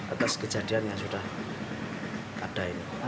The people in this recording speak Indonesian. atas kejadian yang sudah ada ini